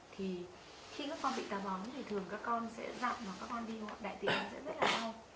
thì khi các con bị táo bón thì thường các con sẽ dặn và các con đi ngọn đại tiện sẽ rất là đau